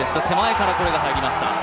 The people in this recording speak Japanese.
手前から、これが入りました。